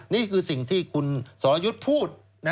นี่คือสิ่งที่คุณสรยุทธ์พูด